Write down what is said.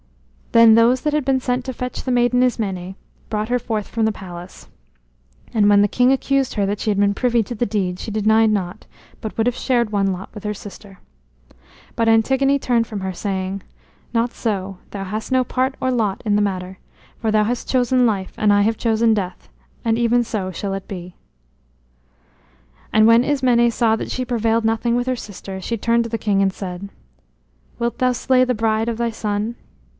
Then those that had been sent to fetch the maiden Ismené brought her forth from the palace. And when the king accused her that she had been privy to the deed she denied not, but would have shared one lot with her sister. But Antigone turned from her, saying: "Not so; thou hast no part or lot in the matter. For thou hast chosen life and I have chosen death; and even so shall it be." And when Ismené saw that she prevailed nothing with her sister, she turned to the king and said: "Wilt thou slay the bride of thy son?"